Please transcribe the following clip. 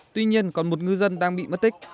tuy nhiên còn một ngư dân đang bị mất tích